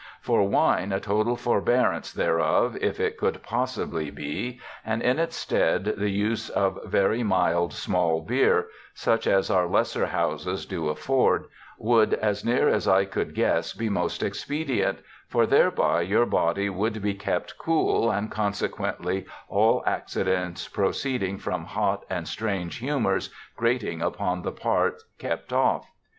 For wine a total forbearance thereof if it could possibly be and in its steede the use of very mild small beere, such as our lesser houses do afford, would as near as I could guess be most expedient; for thereby your body would be kept cool, and consequently all accidents proceeding from not and strange humors grating upon the part kept off.